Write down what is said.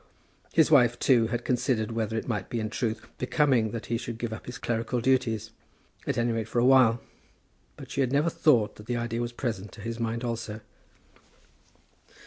His wife, too, had considered whether it might be in truth becoming that he should give up his clerical duties, at any rate for a while; but she had never thought that the idea was present to his mind also.